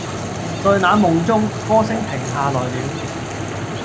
在那夢中，歌聲停下來了